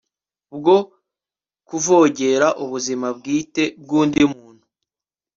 bwo kuvogera ubuzima bwite bw'undi muntu